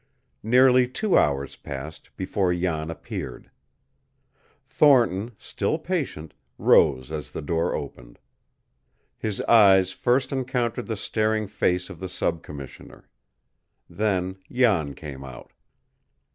Nearly two hours passed before Jan appeared. Thornton, still patient, rose as the door opened. His eyes first encountered the staring face of the sub commissioner. Then Jan came out.